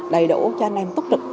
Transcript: đầy đủ cho anh em túc trực